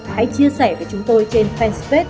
hãy chia sẻ với chúng tôi trên fanpage